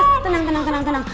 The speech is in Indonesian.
ya ya ya tenang tenang tenang